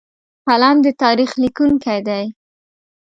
قلم د تاریخ لیکونکی دی